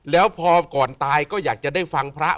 แล้วพอก่อนตายก็อยากจะได้ฟังพระ